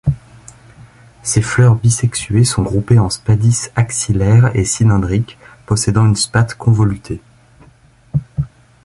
Ses fleurs bisexuées sont groupées en spadices axillaires et cylindriques possédant une spathe convolutée.